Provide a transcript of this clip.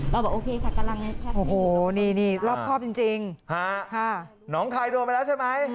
บอกโอเคค่ะกำลังไงโอ้โหนี่รอบครอบจริงน้องคายโดนไปแล้วใช่ไหม